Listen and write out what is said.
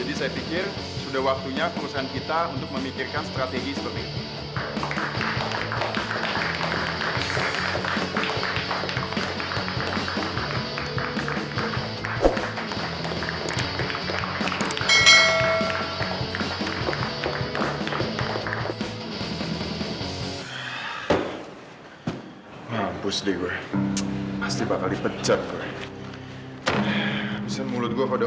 jadi saya pikir sudah waktunya perusahaan kita untuk memikirkan strategi seperti itu